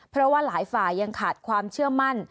เพราะว่าหลายฝ่ายยังขาดความเชื่อมั่น